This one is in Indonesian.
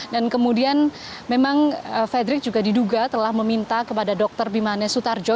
dan kemudian memang friedrich juga diduga telah meminta kepada dr bimanes sutarjo